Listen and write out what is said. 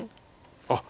あっ。